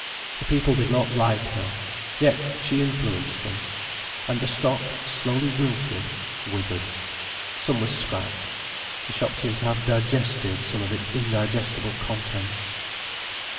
The people did not like her, yet she influenced them. And the stock slowly wilted, withered. Some was scrapped. The shop seemed to have digested some of its indigestible contents.